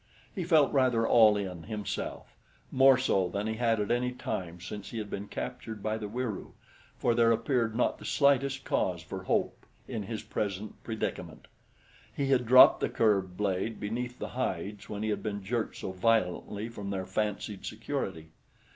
He felt rather all in, himself, more so than he had at any time since he had been captured by the Wieroo, for there appeared not the slightest cause for hope in his present predicament. He had dropped the curved blade beneath the hides when he had been jerked so violently from their fancied security.